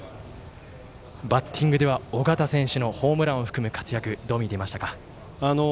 バッティングでは、尾形選手のホームランを含む活躍どう見ていましたか？